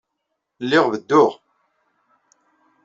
Lliɣ bedduɣ.